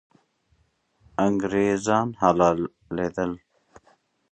انګریزان حلالېدل.